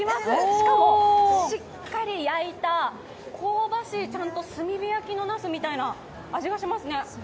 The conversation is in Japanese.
しかも、しっかり焼いた香ばしい、ちゃんと炭火焼きのなすみたいな味がします。